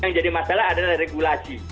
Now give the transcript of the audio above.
yang jadi masalah adalah regulasi